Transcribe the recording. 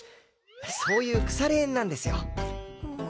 そういう腐れ縁なんですよ。